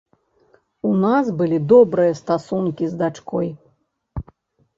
У нас былі добрыя стасункі з дачкой.